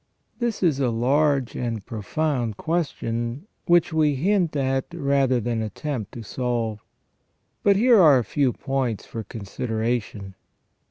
This is a large and profound question, which we hint at rather than attempt to solve. But here are a few points for consideration.